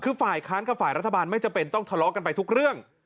คือฝ่ายค้านกับฝ่ายรัฐบาลไม่จำเป็นต้องทะเลาะกันไปทุกเรื่อง